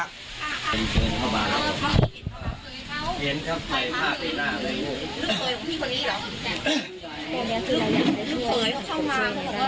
เห็นครับ